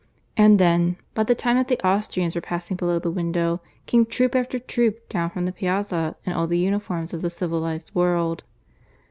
And then, by the time that the Austrians were passing below the window, came troop after troop down from the piazza in all the uniforms of the civilized world.